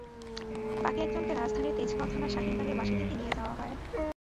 বাকি একজনকে রাজধানীর তেজগাঁও থানার শাহীনবাগের বাসা থেকে নিয়ে যাওয়া হয়।